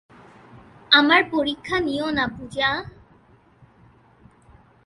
আমার পরীক্ষা নিও না, পূজা।